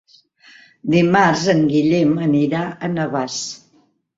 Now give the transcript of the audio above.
Dimarts en Guillem anirà a Navàs.